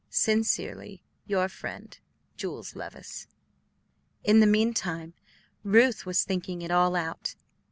Sincerely your friend, JULES LEVICE. In the mean time Ruth was thinking it all out.